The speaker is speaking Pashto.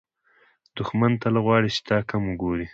دښمن تل غواړي چې تا کم وګوري